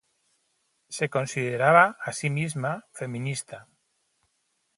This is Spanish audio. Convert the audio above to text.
Se consideraba a sí misma feminista.